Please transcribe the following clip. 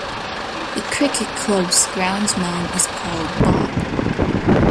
The cricket club’s groundsman is called Bob